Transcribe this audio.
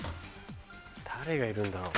誰がいるんだろう。